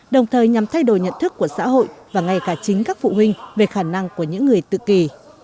đồng thời nhằm thay đổi nhận thức của xã hội và ngay cả chính các phụ huynh về khả năng của những người tự kỳ